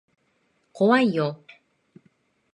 怖いよ。